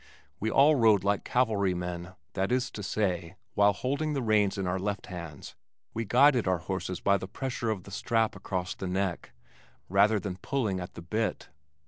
We all rode like cavalrymen, that is to say, while holding the reins in our left hands we guided our horses by the pressure of the strap across the neck, rather than by pulling at the bit.